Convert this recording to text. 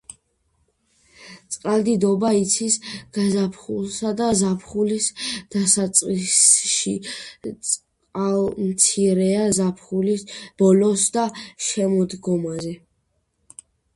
წყალდიდობა იცის გაზაფხულსა და ზაფხულის დასაწყისში, წყალმცირეა ზაფხულის ბოლოსა და შემოდგომაზე.